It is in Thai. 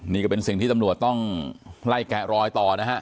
นี่ก็เป็นสิ่งที่ตำรวจต้องไล่แกะรอยต่อนะฮะ